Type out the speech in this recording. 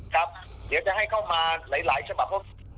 ครับเดี๋ยวจะให้เข้ามาหลายชมบับ